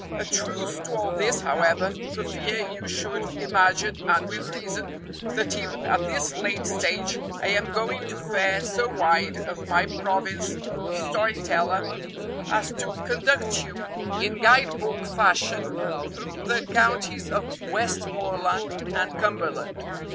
A truce to all this, however, for fear you should imagine, and with reason, that even at this late stage I am going to fare so wide of my province of story teller as to conduct you in guide book fashion through the counties of Westmoreland and Cumberland.